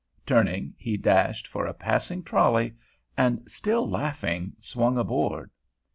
Turning, he dashed for a passing trolley, and, still laughing, swung aboard.